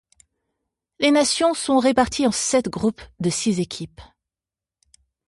Les nations sont réparties en sept groupes de six équipes.